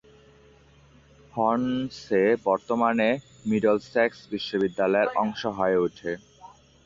হর্নসে বর্তমানে মিডলসেক্স বিশ্ববিদ্যালয়ের অংশ হয়ে ওঠে।